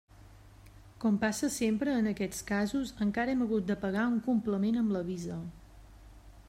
Com passa sempre en aquests casos, encara hem hagut de pagar un complement amb la VISA.